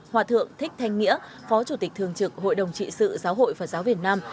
hòa thượng thích thanh nghĩa phó chủ tịch thường trực hội đồng trị sự giáo hội phật giáo việt nam